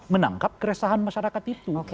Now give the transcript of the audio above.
menangkap keresahan masyarakat itu